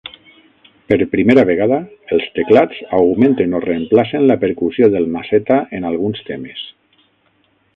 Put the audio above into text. Per primera vegada, els teclats augmenten o reemplacen la percussió del maceta en alguns temes.